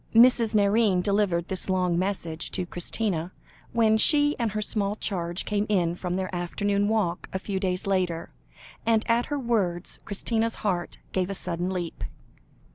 Mrs. Nairne delivered this long message to Christina, when she and her small charge came in from their afternoon walk a few days later, and at her words, Christina's heart gave a sudden leap.